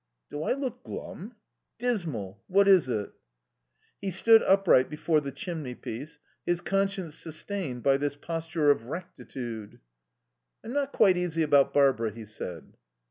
"Do I look glum?" "Dismal. What is it?" He stood upright before the chinmeypiece, his conscience sustained by this posture of rectitude. "I'm not quite easy about Barbara," he said.